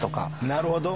なるほど